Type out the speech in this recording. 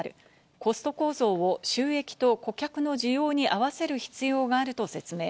コスト構造を収益と顧客の需要に合わせる必要があると説明。